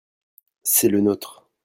c'est le nôtre.